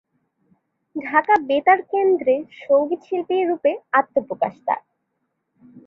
ঢাকা বেতার কেন্দ্রের সংগীত শিল্পী রূপে আত্মপ্রকাশ তার।